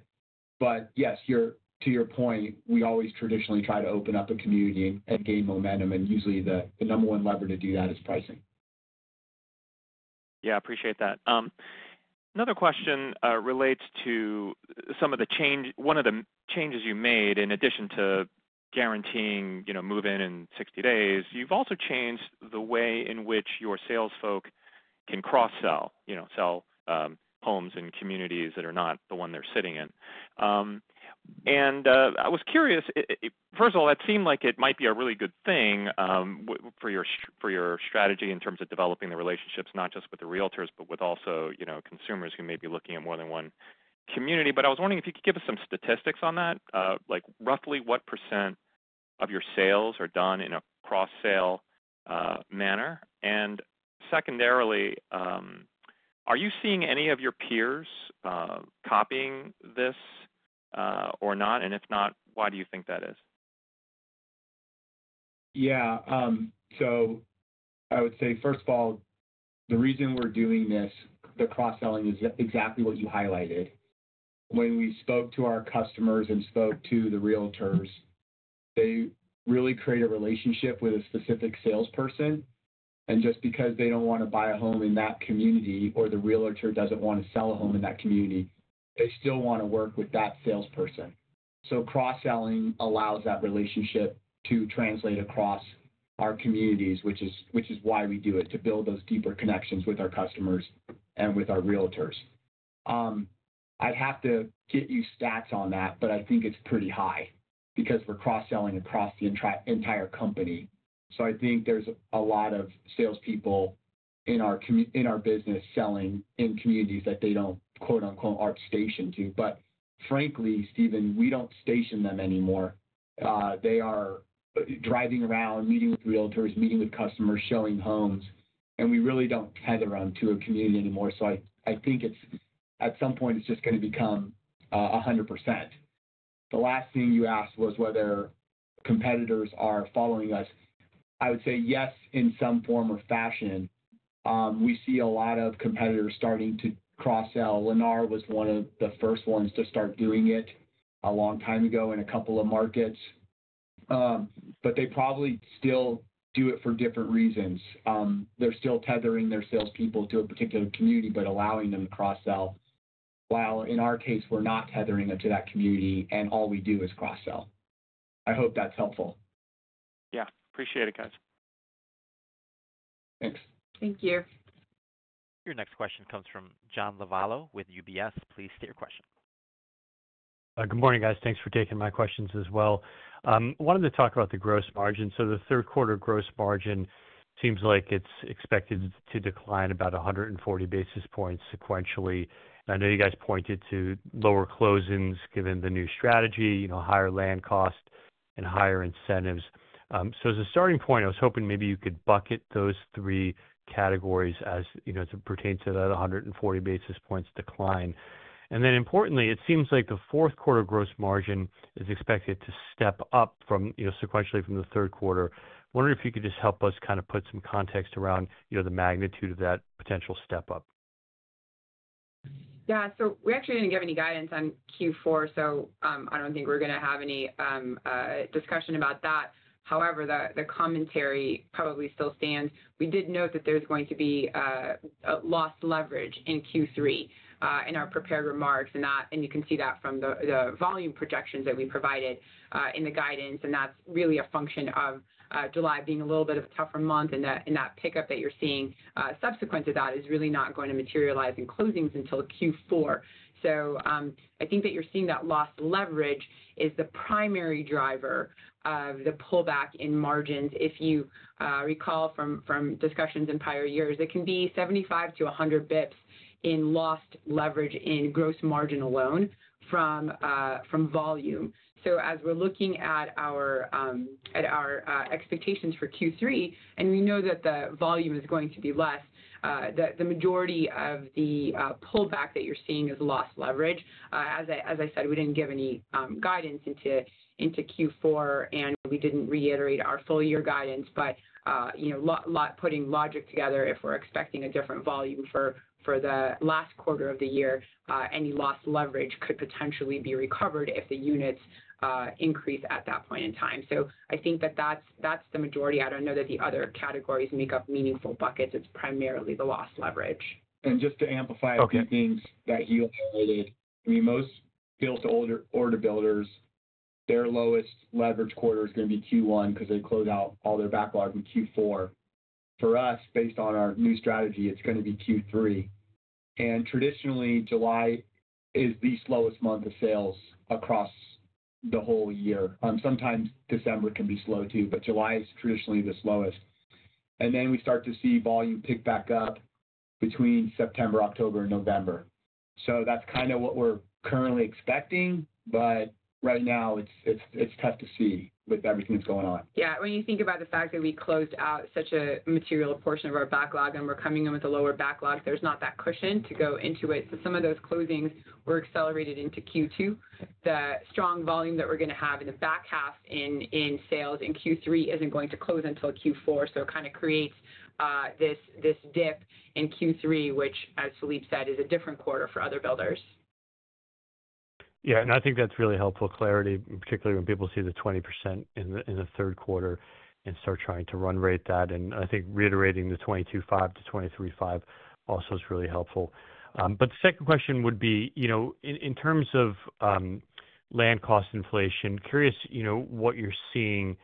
Yes, to your point, we always traditionally try to open up a community and gain momentum. Usually the number one lever to do that is pricing. Yeah, I appreciate that. Another question relates to some of the change. One of the changes you made, in addition to guaranteeing move-in in 60 days, you've also changed the way in which your sales folk can cross-sell homes in communities that are not the one they're sitting in. I was curious, first of all, that seemed like it might be a really good thing for your strategy in terms of developing the relationships not just with the realtors, but with also consumers who may be looking at more than one community. I was wondering if you could give us some statistics on that, like roughly what percent of your sales are done in a cross-sale manner? Secondarily, are you seeing any of your peers copying this or not? If not, why do you think that is? Yeah, I would say, first of all, the reason we're doing this, the cross selling, is exactly what you highlighted when we spoke to our customers and spoke to the realtors. They really create a relationship with a specific salesperson. Just because they don't want to buy a home in that community or the realtor doesn't want to sell a home in that community, they still want to work with that salesperson. Cross selling allows that relationship to translate across our communities, which is why we do it to build those deeper connections with our customers and with our realtors. I'd have to get you stats on that, but I think it's pretty high because we're cross selling across the entire company. I think there's a lot of salespeople in our business selling in communities that they don't, quote, unquote, aren't stationed to. Frankly, Stephen, we don't station them anymore. They are driving around, meeting with realtors, meeting with customers, showing homes, and we really don't tether them to a community anymore. I think at some point it's just going to become 100%. The last thing you asked was whether competitors are following us. I would say yes, in some form or fashion. We see a lot of competitors starting to cross sell. Lennar was one of the first ones to start doing it a long time ago in a couple of markets. They probably still do it for different reasons. They're still tethering their salespeople to a particular community, but allowing them to cross sell, while in our case, we're not tethering it to that community and all we do is cross sell. I hope that's helpful. Appreciate it, guys. Thanks. Thank you. Your next question comes from John Lovallo with UBS. Please state your question. Good morning, guys. Thanks for taking my questions as well. Wanted to talk about the gross margin. The third quarter gross margin seems like it's expected to decline about 140 basis points sequentially. I know you guys pointed to lower closings given the new strategy, higher land cost, and higher incentives. As a starting point, I was hoping maybe you could bucket those three categories as it pertains to that 140 basis points decline. Importantly, it seems like the fourth quarter gross margin is expected to step up sequentially from the third quarter. Wondering if you could just help us kind of put some context around the magnitude of that potential step up. Yeah, so we actually didn't give any guidance on Q4, so I don't think we're going to have any discussion about that. However, the commentary probably still stands. We did note that there's going to be lost leverage in Q3 in our prepared remarks, and you can see that from the volume projections that we provided in the guidance. That's really a function of July being a little bit of a tougher month. That pickup that you're seeing subsequent to that is really not going to materialize in closings until Q4. I think that you're seeing that lost leverage is the primary driver of the pullback in margins. If you recall from discussions in prior years, it can be 75-100 [bits] in lost leverage in gross margin alone from volume. As we're looking at our expectations for Q3 and we know that the volume is going to be less, the majority of the pullback that you're seeing is lost leverage. As I said, we didn't give any guidance into Q4 and we didn't reiterate our full year guidance. Putting logic together, if we're expecting a different volume for the last quarter of the year, any lost leverage could potentially be recovered if the units increase at that point in time. I think that that's the majority. I don't know that the other categories make up meaningful buckets. It's primarily the lost leverage. To amplify a few things that he highlighted, most deals to order builders, their lowest leverage quarter is going to be Q1 because they close out all their backlog in Q4. For us, based on our new strategy, it's going to be Q3. Traditionally, July is the slowest month of sales across the whole year. Sometimes December can be slow too, but July is traditionally the slowest. We start to see volume pick back up between September, October, and November. That's kind of what we're currently expecting, but right now it's tough to see with everything that's going on. Yeah, when you think about the fact that we closed out such a material portion of our backlog and we're coming in with a lower backlog, there's not that cushion to go into it. Some of those closings were accelerated into Q2. The strong volume that we're going to have in the back half in sales in Q3 isn't going to close until Q4. It kind of creates this dip in Q3, which, as Phillippe said, is a different quarter for other builders. Yeah. I think that's really helpful clarity, particularly when people see the 20% in the third quarter and start trying to run rate that. I think reiterating the 225-235 also is really helpful. The second question would be, you know, in terms of land cost inflation, curious, you know, what you're seeing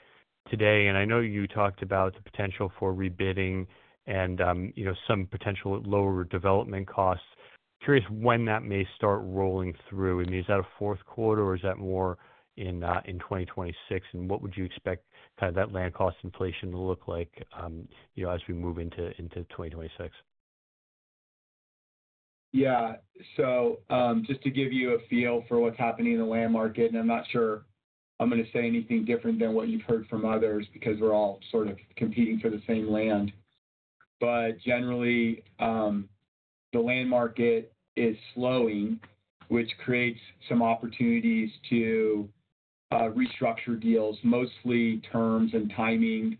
today. I know you talked about the potential for rebidding and, you know, some potential lower development costs. Curious when that may start rolling through. Is that a fourth quarter or is that more in 2026? What would you expect kind of that land cost inflation to look like, you know, as we move into 2026? Yeah. Just to give you a feel for what's happening in the land market, I'm not sure I'm going to say anything different than what you've heard from others because we're all sort of competing for the same land. Generally, the land market is slowing, which creates some opportunities to restructure deals, mostly terms and timing,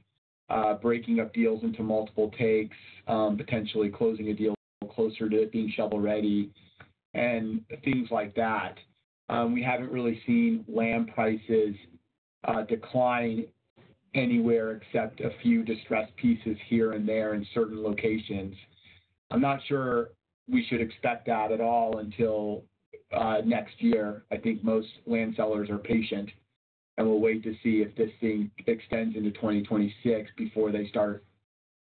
breaking up deals into multiple takes, potentially closing a deal closer to being shovel ready and things like that. We haven't really seen land prices decline anywhere except a few distressed pieces here and there in certain locations. I'm not sure we should expect that at all until next year. I think most land sellers are patient and will wait to see if this thing extends into 2026 before they start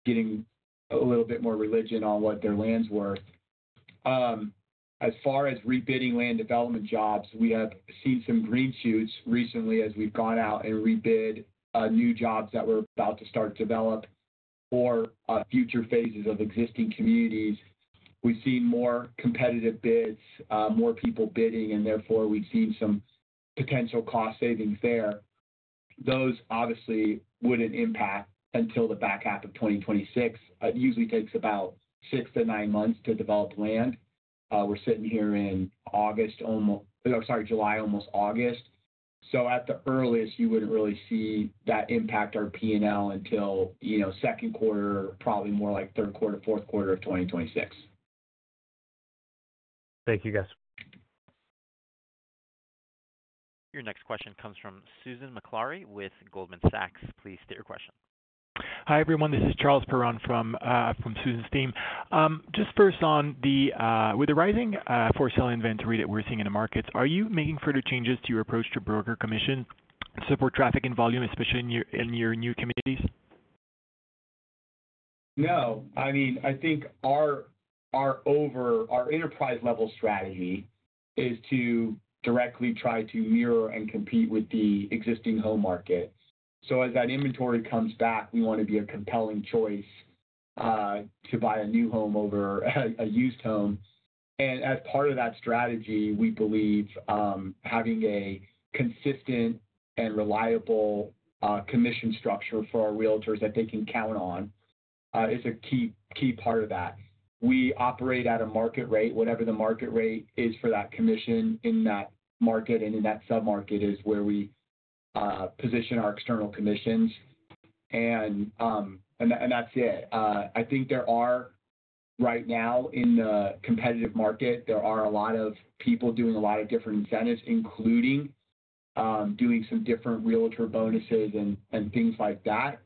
getting a little bit more religion on what their land's worth. As far as rebidding land development jobs, we have seen some green shoots recently as we've gone out and rebid new jobs that were about to start development or future phases of existing communities. We've seen more competitive bids, more people bidding, and therefore we've seen some potential cost savings there. Those obviously wouldn't impact until the back half of 2026. It usually takes about six months to nine months to develop land. We're sitting here in July, almost August, so at the earliest, you wouldn't really see that impact our P&L until, you know, second quarter, probably more like third quarter, fourth quarter of 2026. Thank you, guys. Your next question comes from [Susan McLaury] with Goldman Sachs. Please state your question. Hi everyone, this is Charles Perron from Susan's team. Just first, with the rising for sale inventory that we're seeing in the markets, are you making further changes to your approach to broker commission to support traffic and volume, especially in your new communities? No, I mean, I think our enterprise level strategy is to directly try to mirror and compete with the existing home market. As that inventory comes back, we want to be a compelling choice to buy a new home over a used home. As part of that strategy, we believe having a consistent and reliable commission structure for our Realtors that they can count on is a key, key part of that. We operate at a market rate, whatever the market rate is for that commission in that market and in that sub market is where we position our external commissions, and that's it. I think there are right now in the competitive market, a lot of people doing a lot of different incentives, including doing some different Realtor bonuses and things like that.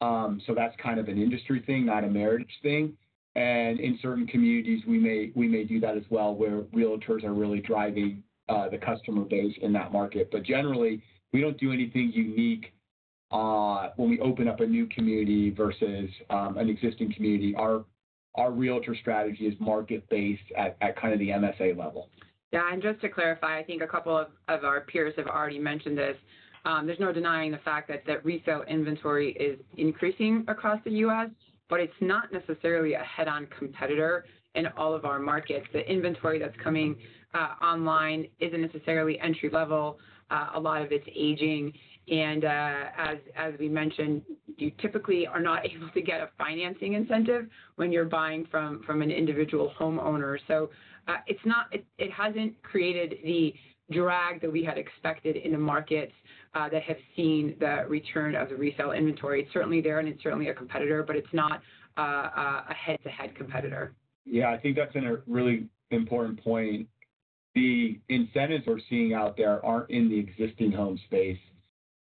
That's kind of an industry thing, not a Meritage thing. In certain communities we may do that as well where Realtors are really driving the customer base in that market. Generally, we don't do anything unique when we open up a new community versus an existing community. Our Realtor strategy is market based at kind of the MSA level. Yeah. Just to clarify, I think a couple of our peers have already mentioned this. There's no denying the fact that resale inventory is increasing across the U.S., but it's not necessarily a head-on competitor in all of our markets. The inventory that's coming online isn't necessarily entry level. A lot of it's aging and, as we mentioned, you typically are not able to get a financing incentive when you're buying from an individual homeowner. It hasn't created the drag that we had expected in the markets that have seen the return of the resale inventory. It's certainly there and it's certainly a competitor, but it's not a head-to-head competitor. Yeah, I think that's a really important point. The incentives we're seeing out there aren't in the existing home space.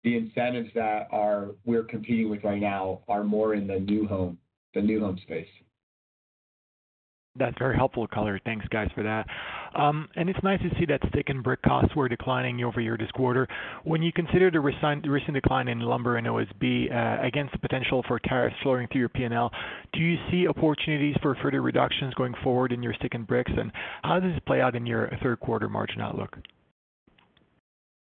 The incentives that we're competing with right now are more in the new home, the new loan space. That's very helpful. Thanks guys for that. It's nice to see that stick and brick costs were declining year-over-year this quarter. When you consider the recent decline in lumber and OSB against the potential for tariffs flowing through your P&L, do you see opportunities for further reductions going forward in your stick and bricks, and how does it play out in your third quarter margin outlook?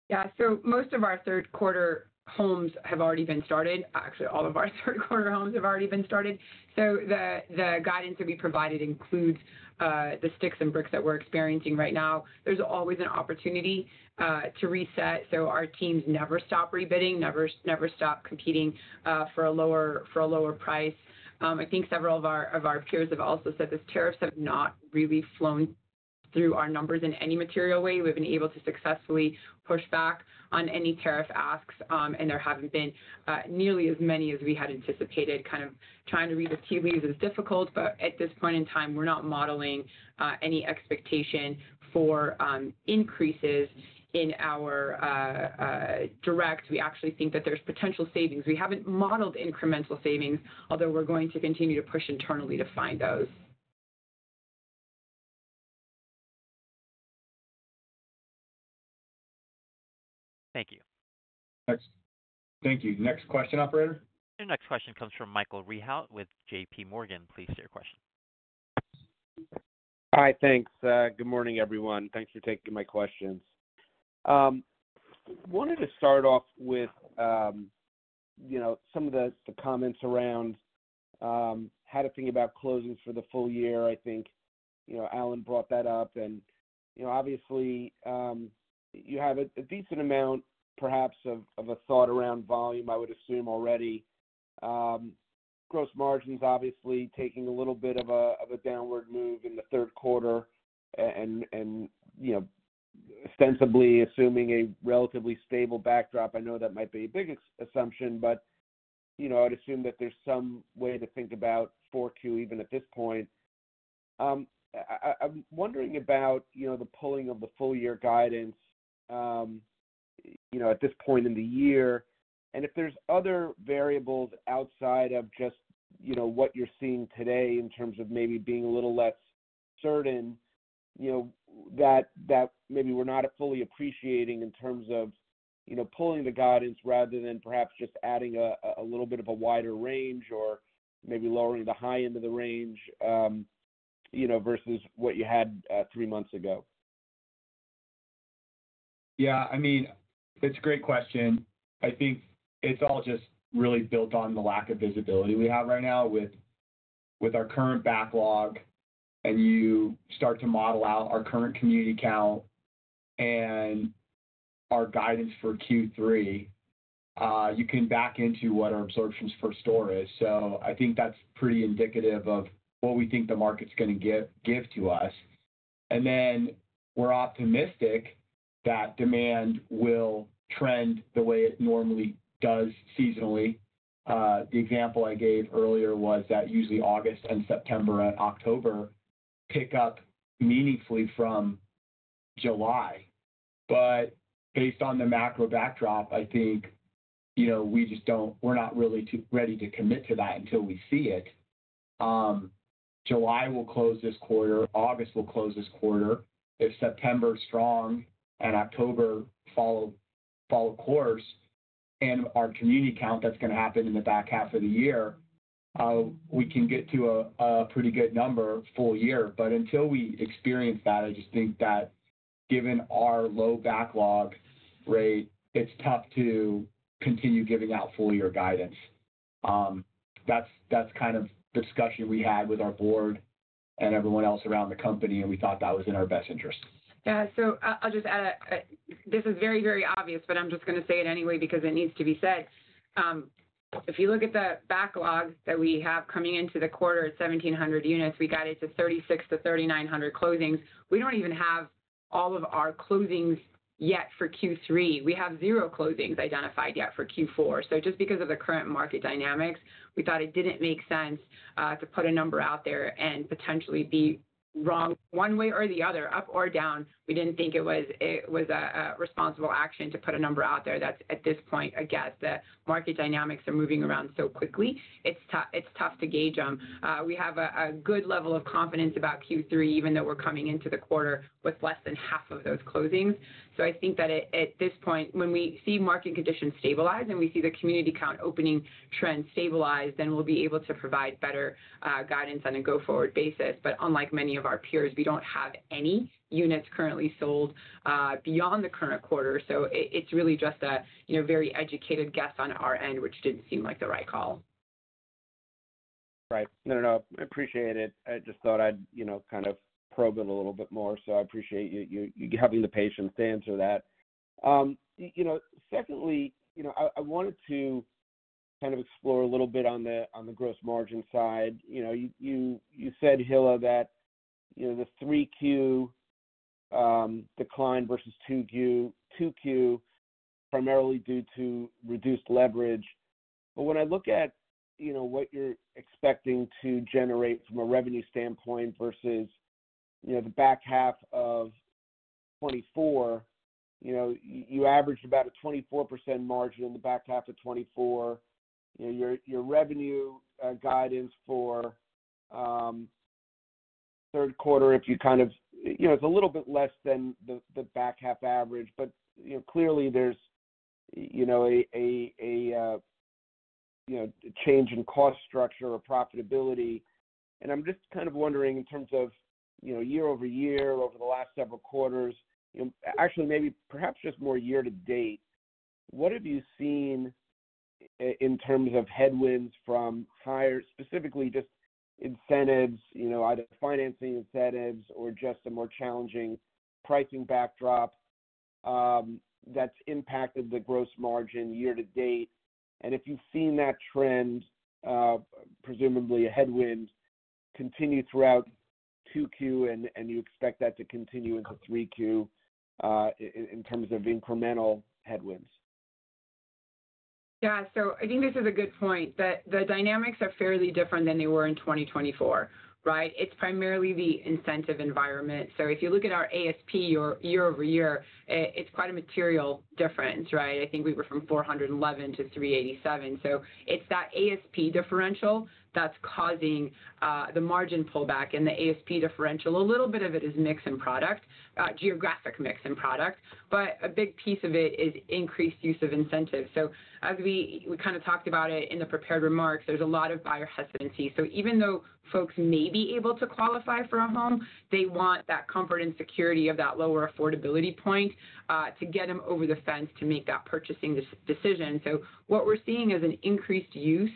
Yeah, most of our third quarter homes have already been started, actually all of our third quarter homes have already been started. The guidance that we've provided includes the sticks and bricks that we're experiencing right now. There's always an opportunity to reset. Our teams never stop rebidding, never stop competing for a lower price. I think several of our peers have also said this. Tariffs have not really flown through our numbers in any material way. We've been able to successfully push back on any tariff asks, and there haven't been nearly as many as we had anticipated. Kind of trying to read a few is difficult, but at this point in time we're not modeling any expectation for increases in our direct. We actually think that there's potential savings. We haven't modeled incremental savings, although we're going to continue to push internally to find those. Thank you. Thank you. Next question. Operator, your next question comes from Michael Rehaut with JPMorgan. Please hear your question. Hi, thanks. Good morning everyone. Thanks for taking my questions. Wanted to start off with, you know, some of the comments around how to think about closings for the full year. I think, you know, Alan brought that up and, you know, obviously you have a decent amount perhaps of a thought around volume. I would assume already gross margins obviously taking a little bit of a downward move in the third quarter and, you know, ostensibly assuming a relatively stable backdrop. I know that might be a big assumption but, you know, I'd assume that there's some way to think about 4Q even at this point. I'm wondering about the pulling of the full year guidance at this point in the year and if there's other variables outside of just what you're seeing today in terms of maybe being a little less certain that maybe we're not fully appreciating in terms of pulling the guidance rather than perhaps just adding a little bit of a wider range or maybe lowering the high end of the range, you know, versus what you had three months ago. Yeah, I mean it's a great question. I think it's all just really built on the lack of visibility we have right now with our current backlog. You start to model out our current community count and our guidance for Q3, you can back into what our absorptions per store is. I think that's pretty indicative of what we think the market's going to give to us and then we're optimistic that demand will trend the way it normally does seasonally. The example I gave earlier was that usually August and September and October pick up meaningfully from July. Based on the macro backdrop, I think, you know, we just don't. We're not really too ready to commit to that until we see it. July will close this quarter, August will close this quarter. If September is strong and October follow, follow course and our community count, that's going to happen in the back half of the year, we can get to a pretty good number full year. Until we experience that, I just think that given our low backlog rate, it's tough to continue giving out full year guidance. That's kind of discussion we had with our board and everyone else around the company and we thought that was in our best interest. Yeah. I'll just add, this is very, very obvious, but I'm just going to say it anyway because it needs to be said. If you look at the backlog that we have coming into the quarter at 1,700 units, we got it to 3,600-3,900 closings. We don't even have all of our closings yet for Q3, we have zero closings identified yet for Q4. Just because of the current market dynamics, we thought it didn't make sense to put a number out there and potentially be wrong one way or the other, up or down. We didn't think it was a responsible action to put a number out there that's at this point a guess. The market dynamics are moving around so quickly it's tough to gauge them. We have a good level of confidence about Q3 even though we're coming into the quarter with less than half of those closings. At this point, when we see market conditions stabilize and we see the community count opening trend stabilized, then we'll be able to provide better guidance on a go forward basis. Unlike many of our peers, we don't have any units currently sold beyond the current quarter. It's really just a very educated guess on our end, which didn't seem like the right call. No, no, I appreciate it. I just thought I'd kind of probe it a little bit more. I appreciate you having the patience to answer that. Secondly, I wanted to kind of explore a little bit on the gross margin side. You said, Hilla, that the 3Q decline versus 2Q was primarily due to reduced leverage. When I look at what you're expecting to generate from a revenue standpoint versus the back half of 2024, you averaged about a 24% margin in the back half of 2024. Your revenue guidance for third quarter, if you kind of, it's a little bit less than the back half average. Clearly there's a change in cost structure or profitability. I'm just kind of wondering, in terms of year-over-year, over the last several quarters, actually maybe perhaps just more year to date, what have you seen in terms of headwinds from higher, specifically just incentives, either financing incentives or just a more challenging pricing backdrop that's impacted the gross margin year to date? If you've seen that trend, presumably a headwind, continue throughout 2Q and you expect that to continue into 3Q in terms of incremental headwinds. Yeah. I think this is a good point that the dynamics are fairly different than they were in 2024. It's primarily the incentive environment. If you look at our ASP year-over-year, it's quite a material difference. I think we were from 411, to 387,. It's that ASP differential that's causing the margin pullback in the ASP differential. A little bit of it is mix and product, geographic mix and product, but a big piece of it is increased use of incentives. As we kind of talked about in the prepared remarks, there's a lot of buyer hesitancy. Even though folks may be able to qualify for a home, they want that comfort and security of that lower affordability point to get them over the fence to make that purchasing decision. What we're seeing is an increased use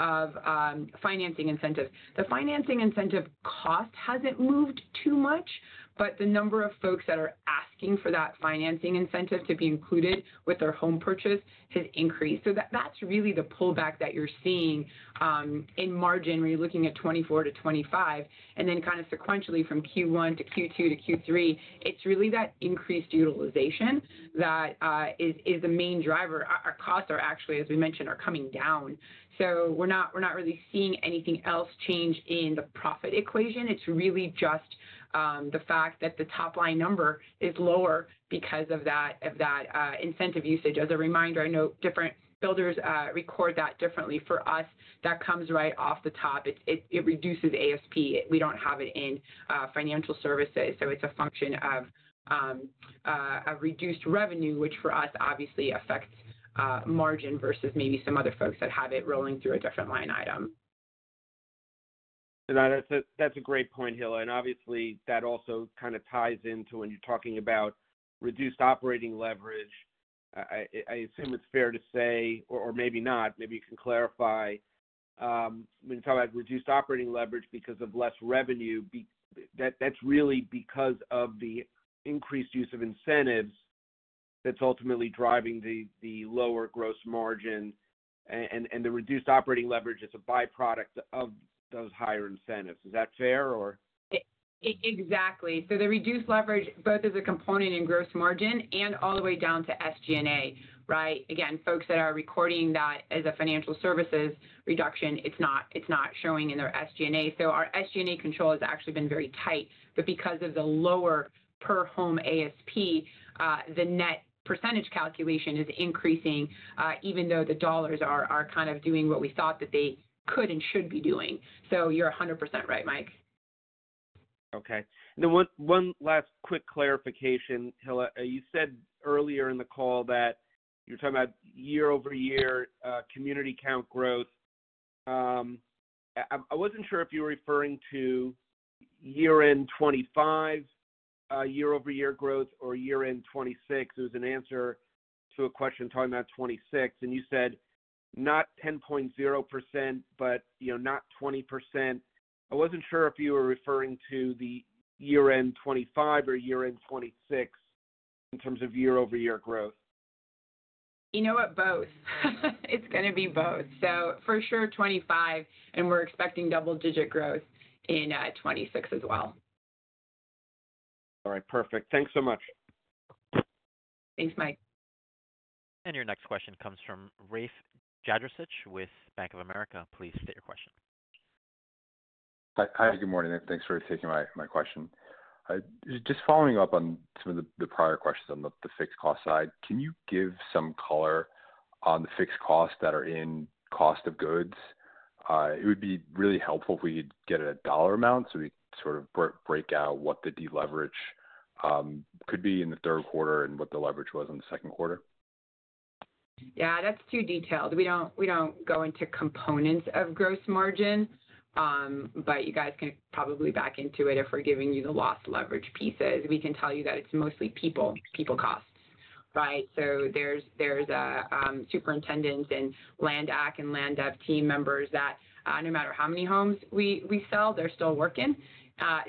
of financing incentives. The financing incentive cost hasn't moved too much, but the number of folks that are asking for that financing incentive to be included with their home purchase has increased. That's really the pullback that you're seeing in margin when you're looking at 2024-2025 and then kind of sequentially from Q1 to Q2 to Q3. It's really that increased utilization that is the main driver. Our costs are actually, as we mentioned, coming down. We're not really seeing anything else change in the profit equation. It's really just the fact that the top line number is lower because of that incentive usage. As a reminder, I know different builders record that differently. For us, that comes right off the top; it reduces ASP. We don't have it in financial services. It's a function of a reduced revenue, which for us obviously affects margin versus maybe some other folks that have it rolling through a different line item. That's a great point, Hilla. Obviously, that also kind of ties into when you're talking about reduced operating leverage. I assume it's fair to say, or maybe not. Maybe you can clarify when you talk about reduced operating leverage because of less revenue, that's really because of the increased use of incentives that's ultimately driving the lower gross margin, and the reduced operating leverage is a byproduct of those higher incentives. Is that fair or exactly. The reduced leverage both as a component in gross margin and all the way down to SG&A, again, folks that are recording that as a financial services reduction, it's not showing in their SG&A. Our SG&A control has actually been very tight. Because of the lower per home ASP, the net percentage calculation is increasing even though the dollars are kind of doing what we thought that they could and should be doing. You're 100% right, Mike. Okay, one last quick clarification, Hilla. You said earlier in the call that you're talking about year-over-year community count growth. I wasn't sure if you were referring to year-end 2025 year-over-year growth or year-end 2026. It was an answer to a question talking about 2026 and you said not 10.0% but, you know, not 20%. I wasn't sure if you were referring to the year-end 2025 or year-end 2026 in terms of year-over-year growth. You know what? Both. It's going to be both. For sure 2025, and we're expecting double-digit growth in 2026 as well. All right, perfect. Thanks so much. Thanks, Mike. Your next question comes from Rafe Jadrosich with Bank of America. Please state your question. Hi, good morning. Thanks for taking my question. Just following up on some of the prior questions. On the fixed cost side, can you give some color on the fixed costs that are in cost of goods? It would be really helpful if we could get a dollar amount so we sort of break out what the deleverage could be in the third quarter and what the leverage was in the second quarter. Yeah, that's too detailed. We don't go into components of gross margin, but you guys can probably back into it. If we're giving you the lost leverage pieces, we can tell you that it's mostly people. People costs. Right. There are Superintendent and land act and land up team members that no matter how many homes we sell, they're still working.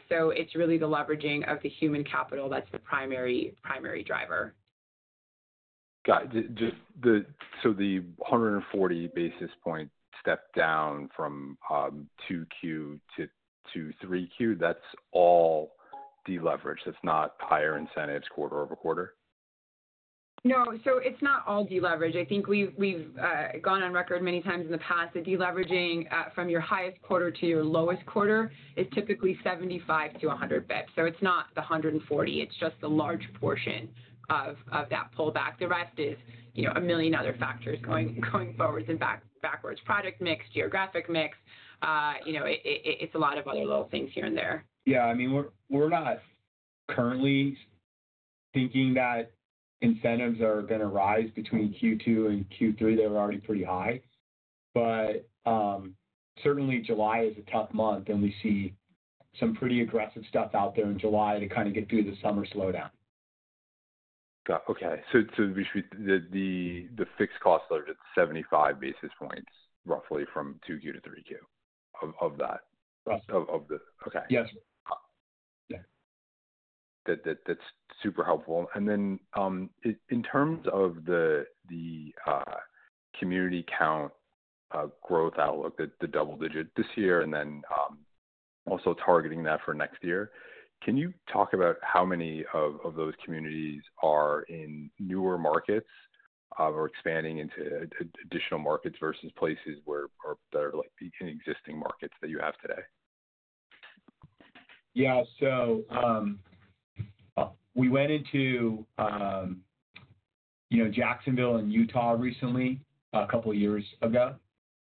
It's really the leveraging of the human capital that's the primary driver. The 140 basis point step down from 2Q to 3Q, that's all deleveraged. That's not higher incentives quarter-over-quarter? No, it's not all deleverage. I think we've gone on record many times in the past that deleveraging from your highest quarter to your lowest quarter is typically 75-100 [bits]. It's not the 140. It's just the large portion of that pullback. The rest is a million other factors going forwards and backwards. Project mix, geographic mix. It's a lot of other little things here and there. Yeah, I mean, we're not currently thinking that incentives are going to rise between Q2 and Q3. They were already pretty high. Certainly July is a tough month and we see some pretty aggressive stuff out there in July to kind of get through the summer slowdown. Okay, so the fixed cost average at 75 basis points roughly from Q2 to Q3, two of that. Okay, yes, that's super helpful. In terms of the community count growth outlook, the double digit this year and then also targeting that for next year, can you talk about how many of those communities are in newer markets or expanding into additional markets versus places where they're in existing markets that you have today? Yeah, so we went into Jacksonville and Utah recently, a couple of years ago.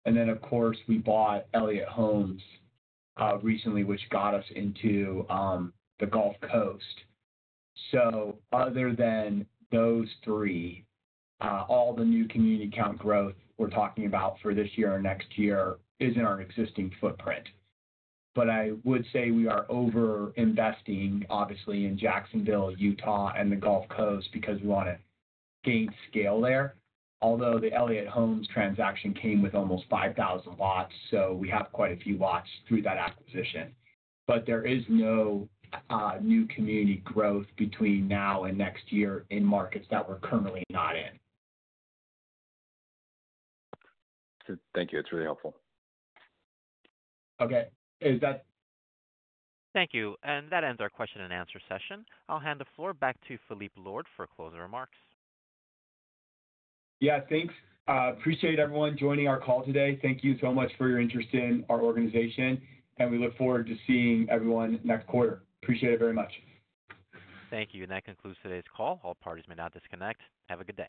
Of course, we bought Elliott Homes recently, which got us into the Gulf Coast. Other than those three, all the new community count growth we're talking about for this year and next year is in our existing footprint. I would say we are over investing obviously in Jacksonville, Utah, and the Gulf Coast because we want to gain scale there. Although the Elliott Homes transaction came with almost 5,000 lots, so we have quite a few lots through that acquisition. There is no new community growth between now and next year in markets that we're currently not in. Thank you. It's really helpful. Okay, is that. Thank you. That ends our question and answer session. I'll hand the floor back to Phillippe Lord for closing remarks. Yeah, thanks. Appreciate everyone joining our call today. Thank you so much for your interest in our organization and we look forward to seeing everyone next quarter. Appreciate it very much. Thank you. That concludes today's call. All parties may now disconnect. Have a good day.